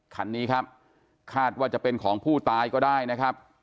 คันนี้ครับคาดว่าจะเป็นของผู้ตายก็ได้นะครับ